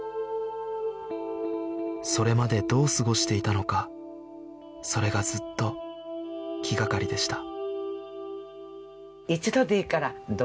それまでどう過ごしていたのかそれがずっと気掛かりでした